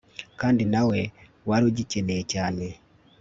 kandi nawe warugikeneye cyane